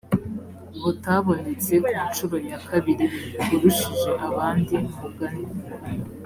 butabonetse ku nshuro ya kabiri urushije abandi mugani